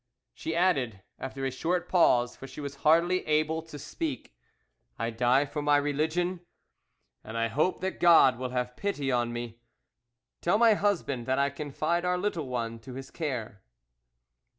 She added, after a short pause, for she was hardly able to speak, 'I die for my religion, and I hope that God will have pity on me. Tell my husband that I confide our little one to his care.